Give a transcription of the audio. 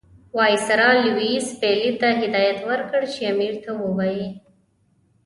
وایسرا لیویس پیلي ته هدایت ورکړ چې امیر ته ووایي.